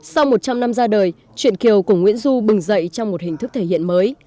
sau một trăm linh năm ra đời chuyện kiều của nguyễn du bừng dậy trong một hình thức thể hiện mới